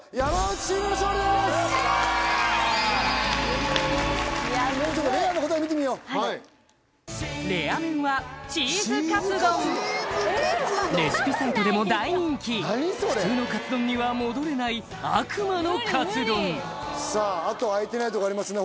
ちょっとレアの答え見てみようレア面はレシピサイトでも大人気普通のカツ丼には戻れない悪魔のカツ丼さああとあいてないところありますね